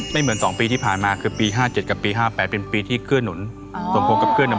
เหมือน๒ปีที่ผ่านมาคือปี๕๗กับปี๕๘เป็นปีที่เกื้อหนุนสมพงษ์กับเพื่อน